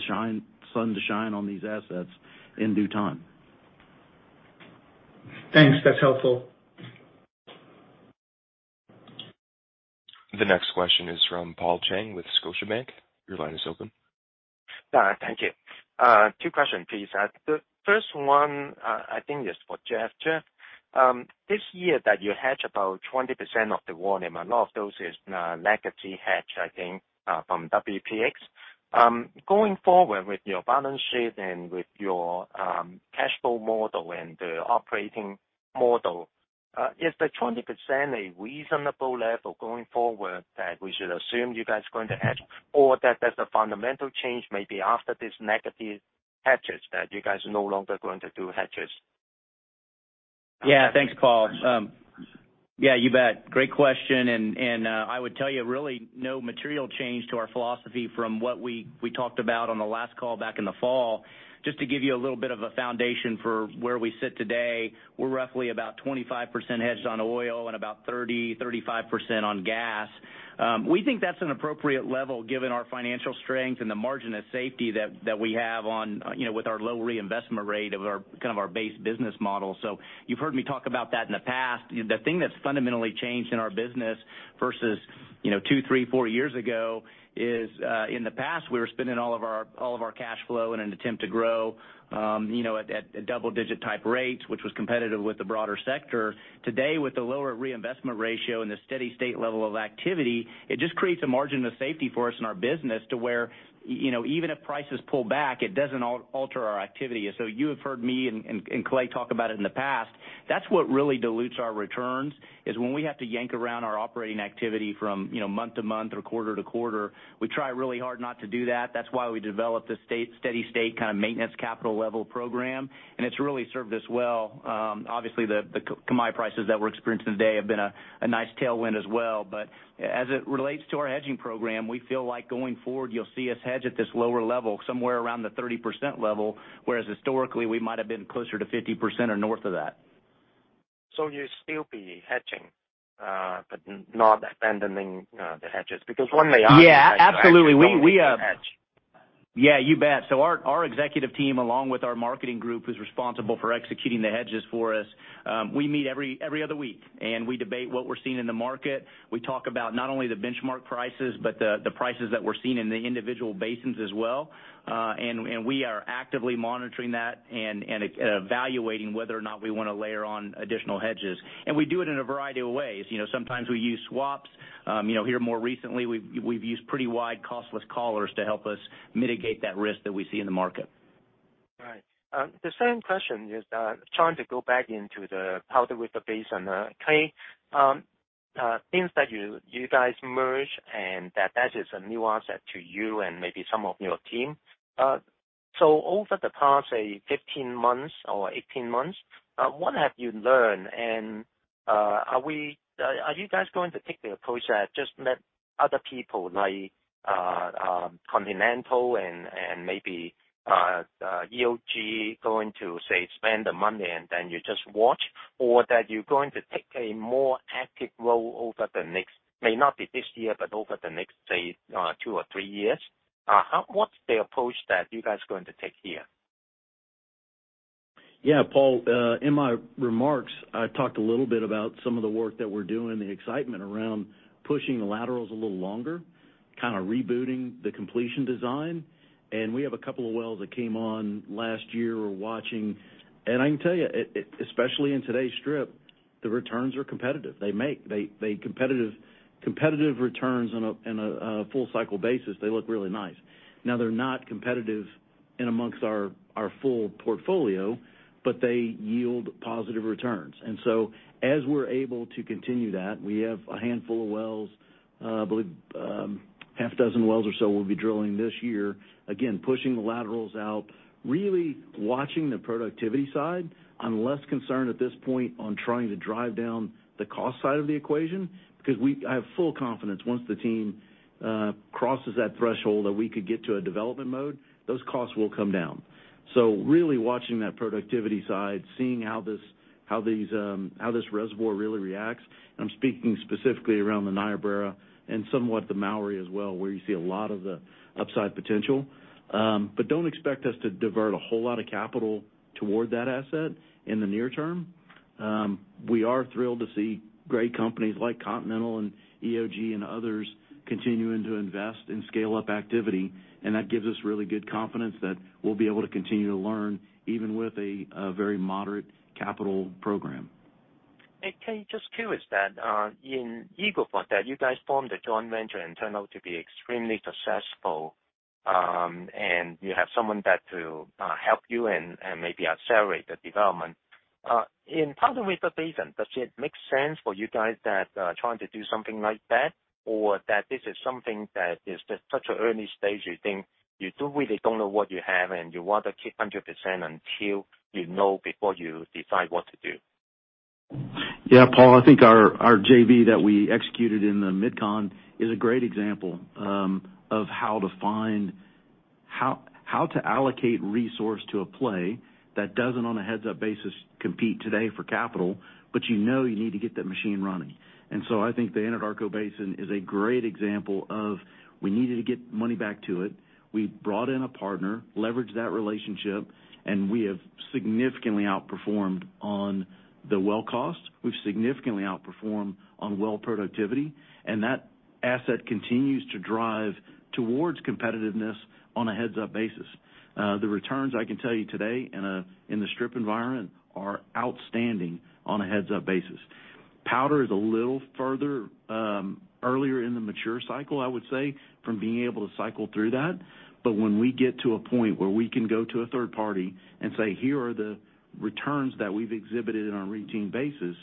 sun to shine on these assets in due time. Thanks. That's helpful. The next question is from Paul Cheng with Scotiabank. Your line is open. Thank you. Two question, please. The first one, I think, is for Jeff. Jeff, this year that you hedge about 20% of the volume, a lot of those is legacy hedge, I think, from WPX. Going forward with your balance sheet and with your cash flow model and the operating model, is the 20% a reasonable level going forward that we should assume you guys are going to hedge, or that there's a fundamental change maybe after this negative hedges that you guys are no longer going to do hedges? Yeah. Thanks, Paul. Great question. I would tell you really no material change to our philosophy from what we talked about on the last call back in the fall. Just to give you a little bit of a foundation for where we sit today, we're roughly about 25% hedged on oil and about 35% on gas. We think that's an appropriate level given our financial strength and the margin of safety that we have on, you know, with our low reinvestment rate of our, kind of our base business model. You've heard me talk about that in the past. The thing that's fundamentally changed in our business versus, you know, two, three, four years ago is, in the past, we were spending all of our cash flow in an attempt to grow, you know, at double-digit type rates, which was competitive with the broader sector. Today, with the lower reinvestment ratio and the steady state level of activity, it just creates a margin of safety for us in our business to where, you know, even if prices pull back, it doesn't alter our activity. You have heard me and Clay talk about it in the past. That's what really dilutes our returns, is when we have to yank around our operating activity from, you know, month to month or quarter to quarter. We try really hard not to do that. That's why we developed a steady state kind of maintenance capital level program, and it's really served us well. Obviously, the commodity prices that we're experiencing today have been a nice tailwind as well. As it relates to our hedging program, we feel like going forward, you'll see us hedge at this lower level, somewhere around the 30% level, whereas historically, we might have been closer to 50% or north of that. You'll still be hedging, but not abandoning, the hedges? Because when they are- Yeah. Absolutely. We Hedged, you don't really hedge. Yeah, you bet. Our executive team, along with our marketing group, who's responsible for executing the hedges for us, we meet every other week, and we debate what we're seeing in the market. We talk about not only the benchmark prices, but the prices that we're seeing in the individual basins as well. We are actively monitoring that and evaluating whether or not we wanna layer on additional hedges. We do it in a variety of ways. You know, sometimes we use swaps. You know, here more recently, we've used pretty wide costless collars to help us mitigate that risk that we see in the market. Right. The second question is trying to go back into the Powder River Basin. Clay, since you guys merged and that is a new asset to you and maybe some of your team, so over the past, say, 15 months or 18 months, what have you learned? Are you guys going to take the approach that just let other people like Continental and maybe EOG going to, say, spend the money and then you just watch or that you're going to take a more active role over the next, may not be this year, but over the next, say, 2 or 3 years. What's the approach that you guys are going to take here? Yeah. Paul, in my remarks, I talked a little bit about some of the work that we're doing, the excitement around pushing the laterals a little longer, kind of rebooting the completion design. We have a couple of wells that came on last year we're watching. I can tell you, especially in today's strip, the returns are competitive. They're competitive returns on a full cycle basis. They look really nice. Now they're not competitive among our full portfolio, but they yield positive returns. As we're able to continue that, we have a handful of wells, I believe, half a dozen wells or so we'll be drilling this year. Again, pushing the laterals out, really watching the productivity side. I'm less concerned at this point on trying to drive down the cost side of the equation because I have full confidence once the team crosses that threshold that we could get to a development mode, those costs will come down. Really watching that productivity side, seeing how this reservoir really reacts. I'm speaking specifically around the Niobrara and somewhat the Mowry as well, where you see a lot of the upside potential. Don't expect us to divert a whole lot of capital toward that asset in the near term. We are thrilled to see great companies like Continental and EOG and others continuing to invest and scale up activity, and that gives us really good confidence that we'll be able to continue to learn even with a very moderate capital program. Clay, just curious that in Eagle Ford that you guys formed a joint venture and turned out to be extremely successful, and you have someone there to help you and maybe accelerate the development. In Powder River Basin, does it make sense for you guys trying to do something like that? Or that this is something that is just such an early stage, you think you really don't know what you have and you want to keep 100% until you know before you decide what to do? Yeah. Paul, I think our JV that we executed in the MidCon is a great example of how to allocate resource to a play that doesn't, on a heads-up basis, compete today for capital, but you know you need to get that machine running. I think the Anadarko Basin is a great example of we needed to get money back to it. We brought in a partner, leveraged that relationship, and we have significantly outperformed on the well cost. We've significantly outperformed on well productivity, and that asset continues to drive towards competitiveness on a heads-up basis. The returns, I can tell you today in a strip environment are outstanding on a heads-up basis. Powder is a little further earlier in the mature cycle, I would say, from being able to cycle through that. When we get to a point where we can go to a third party and say, "Here are the returns that we've exhibited on a routine basis,"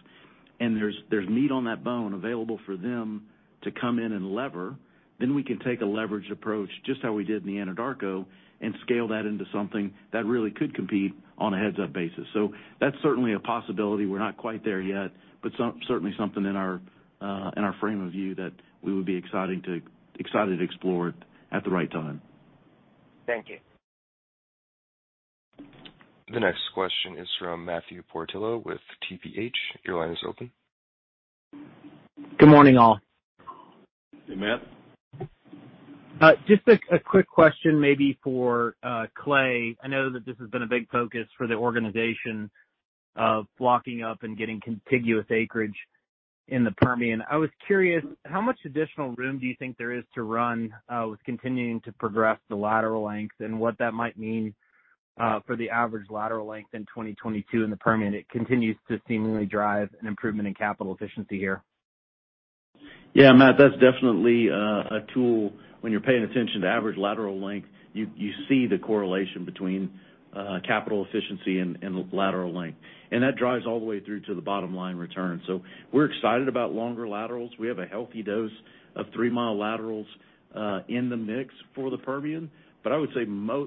and there's meat on that bone available for them to come in and lever, then we can take a leveraged approach, just how we did in the Anadarko, and scale that into something that really could compete on a heads-up basis. That's certainly a possibility. We're not quite there yet, but certainly something in our frame of view that we would be excited to explore at the right time. Thank you. The next question is from Matthew Portillo with TPH. Your line is open. Good morning, all. Hey, Matt. Just a quick question maybe for Clay. I know that this has been a big focus for the organization of locking up and getting contiguous acreage in the Permian. I was curious, how much additional room do you think there is to run with continuing to progress the lateral length and what that might mean for the average lateral length in 2022 in the Permian? It continues to seemingly drive an improvement in capital efficiency here. Yeah. Matt, that's definitely a tool when you're paying attention to average lateral length. You see the correlation between capital efficiency and lateral length. That drives all the way through to the bottom line return. We're excited about longer laterals. We have a healthy dose of three-mile laterals in the mix for the Permian. I would say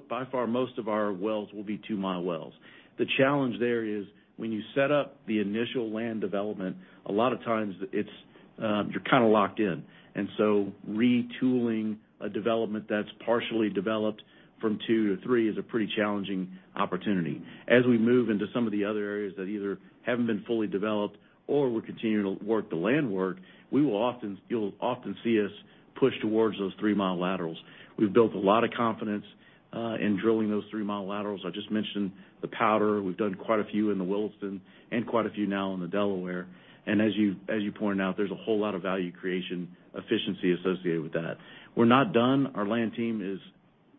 by far, most of our wells will be two-mile wells. The challenge there is when you set up the initial land development, a lot of times it's you're kinda locked in. Retooling a development that's partially developed from two to three is a pretty challenging opportunity. As we move into some of the other areas that either haven't been fully developed or we're continuing to work the land work, you'll often see us push towards those three-mile laterals. We've built a lot of confidence in drilling those three-mile laterals. I just mentioned the Powder. We've done quite a few in the Williston and quite a few now in the Delaware. As you pointed out, there's a whole lot of value creation efficiency associated with that. We're not done. Our land team is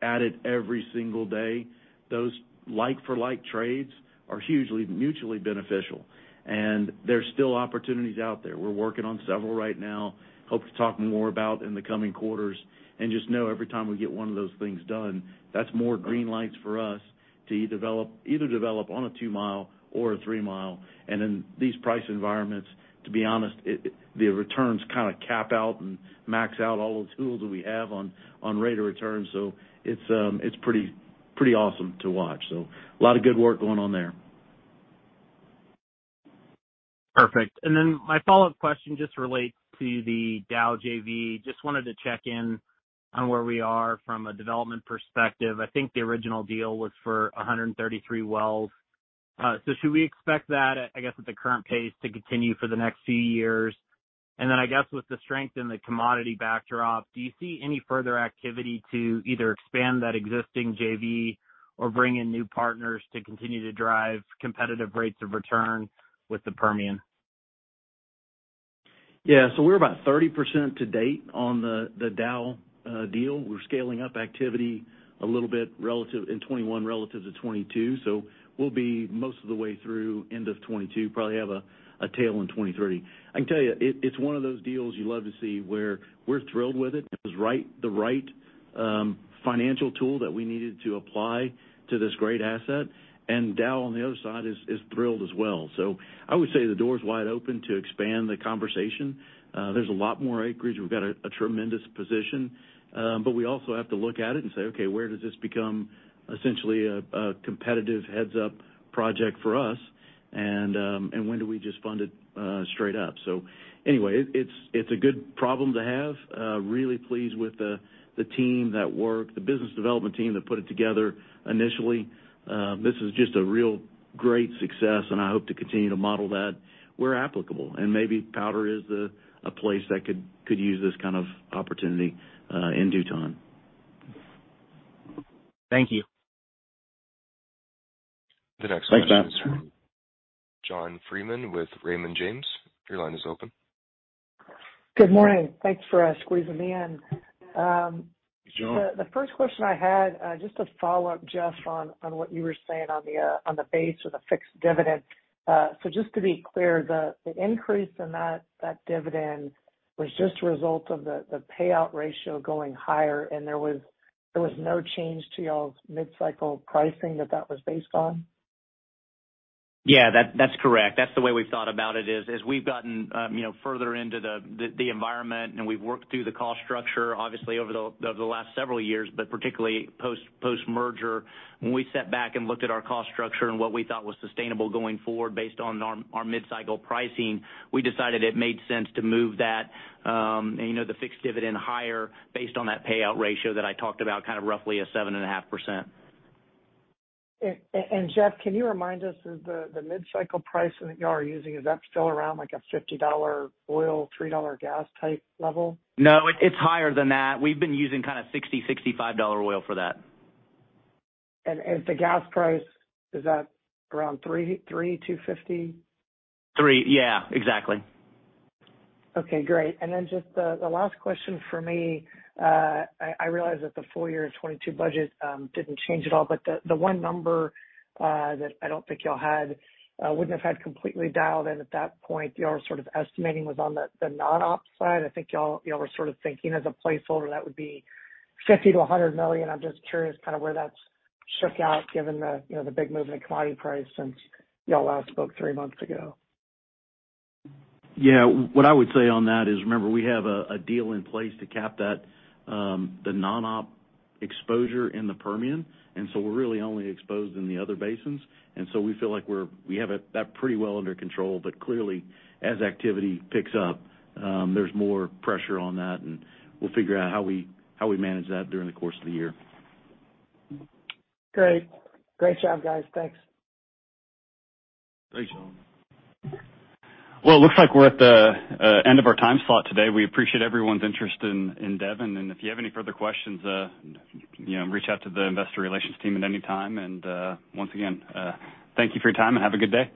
at it every single day. Those like-for-like trades are hugely mutually beneficial, and there's still opportunities out there. We're working on several right now. Hope to talk more about in the coming quarters. Just know every time we get one of those things done, that's more green lights for us to develop either on a two-mile or a three-mile. In these price environments, to be honest, the returns kinda cap out and max out all the tools that we have on rate of return. It's pretty awesome to watch. A lot of good work going on there. Perfect. Then my follow-up question just relates to the Dow JV. Just wanted to check in on where we are from a development perspective. I think the original deal was for 133 wells. So should we expect that, I guess at the current pace, to continue for the next few years? I guess with the strength in the commodity backdrop, do you see any further activity to either expand that existing JV or bring in new partners to continue to drive competitive rates of return with the Permian? Yeah. We're about 30% to date on the Dow deal. We're scaling up activity a little bit in 2021 relative to 2022. We'll be most of the way through end of 2022, probably have a tail in 2030. I can tell you, it's one of those deals you love to see, where we're thrilled with it. It was the right financial tool that we needed to apply to this great asset. Dow, on the other side, is thrilled as well. I would say the door's wide open to expand the conversation. There's a lot more acreage. We've got a tremendous position. We also have to look at it and say, "Okay, where does this become essentially a competitive heads-up project for us, and when do we just fund it straight up?" Anyway, it's a good problem to have. Really pleased with the team that worked, the business development team that put it together initially. This is just a real great success, and I hope to continue to model that where applicable. Maybe Powder is a place that could use this kind of opportunity in due time. Thank you. Thanks, Matt. The next question is from John Freeman with Raymond James. Your line is open. Good morning. Thanks for squeezing me in. John. The first question I had, just to follow up, Jeff, on what you were saying on the base or the fixed dividend. So just to be clear, the increase in that dividend was just a result of the payout ratio going higher and there was no change to y'all's mid-cycle pricing that was based on? Yeah. That's correct. That's the way we've thought about it is we've gotten, you know, further into the environment and we've worked through the cost structure, obviously over the last several years, but particularly post-merger. When we sat back and looked at our cost structure and what we thought was sustainable going forward based on our mid-cycle pricing, we decided it made sense to move that, you know, the fixed dividend higher based on that payout ratio that I talked about, kind of roughly 7.5%. Jeff, can you remind us of the mid-cycle pricing that y'all are using? Is that still around like a $50 oil, $3 gas type level? No, it's higher than that. We've been using kind of $65 oil for that. The gas price, is that around $3.3-$2.50? $3. Yeah, exactly. Okay, great. Just the last question for me. I realize that the full year 2022 budget didn't change at all, but the one number that I don't think y'all would have had completely dialed in at that point, y'all were sort of estimating was on the non-op side. I think y'all were sort of thinking as a placeholder that would be $50 million-$100 million. I'm just curious kind of where that's shook out given, you know, the big movement in commodity price since y'all last spoke three months ago. Yeah. What I would say on that is, remember, we have a deal in place to cap that, the non-op exposure in the Permian. We're really only exposed in the other basins. We feel like we have that pretty well under control. Clearly, as activity picks up, there's more pressure on that and we'll figure out how we manage that during the course of the year. Great. Great job, guys. Thanks. Thanks, John. Well, it looks like we're at the end of our time slot today. We appreciate everyone's interest in Devon. If you have any further questions, you know, reach out to the investor relations team at any time. Once again, thank you for your time and have a good day.